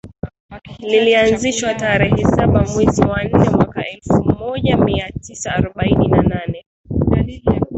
Lilianzishwa tarehe saba mwezi wa nne mwaka elfu moja mia tisa arobaini na nane